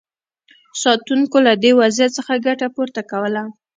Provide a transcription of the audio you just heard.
ساتونکو له دې وضعیت څخه ګټه پورته کوله.